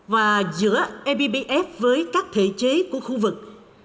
và giữa ebbf với các thể chế của khu vực